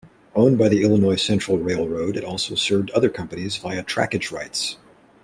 Owned by the Illinois Central Railroad, it also served other companies via trackage rights.